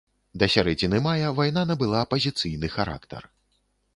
Да сярэдзіны мая вайна набыла пазіцыйны характар.